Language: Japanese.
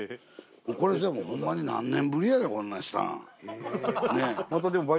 これほんまに何年ぶりやでこんなんしたん。